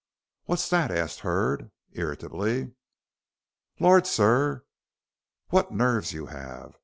"What's that?" asked Hurd, irritably. "Lor', sir, wot nervses you 'ave.